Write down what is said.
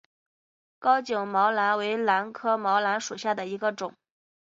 高茎毛兰为兰科毛兰属下的一个种。